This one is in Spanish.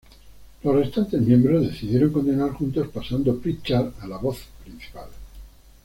Los restantes miembros decidieron continuar juntos, pasando Pritchard a la voz principal.